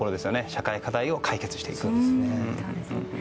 社会課題を解決していくと。